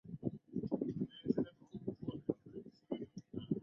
后于该年六月十八日礼置天台奉领玉旨济世。